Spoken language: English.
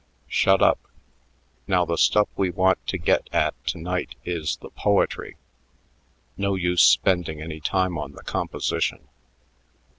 "Shut up! Now, the stuff we want to get at to night is the poetry. No use spending any time on the composition.